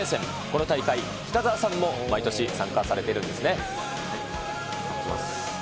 この大会、北澤さんも毎年参加されているんですね。